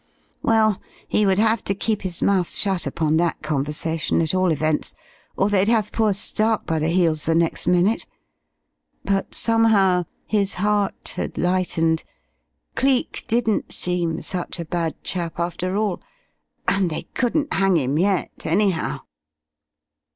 Well, he would have to keep his mouth shut upon that conversation, at all events, or they'd have poor Stark by the heels the next minute.... But somehow his heart had lightened. Cleek didn't seem such a bad chap, after all. And they couldn't hang him yet, anyhow.